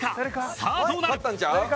さあどうだ？